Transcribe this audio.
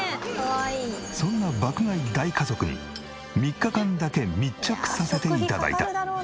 そんな爆買い大家族に３日間だけ密着させて頂いた。